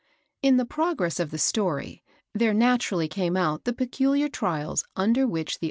In the progress of the story there naturally came out the peculiar trials under which the THE FIRST FLOOE LODGER.